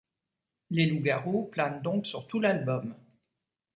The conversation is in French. Les loups garous planent donc sur tout l'album.